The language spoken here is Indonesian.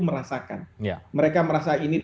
merasakan mereka merasa ini